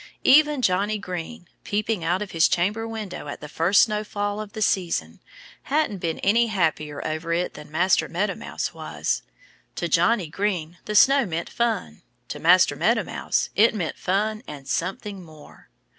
Even Johnnie Green, peeping out of his chamber window at the first snowfall of the season, hadn't been any happier over it than Master Meadow Mouse was. To Johnnie Green the snow meant fun. To Master Meadow Mouse it meant fun and something more.